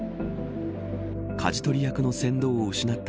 かじ取り役の船頭を失った